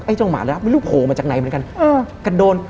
เจ้าหมาแล้วไม่รู้โผล่มาจากไหนเหมือนกันก็โดน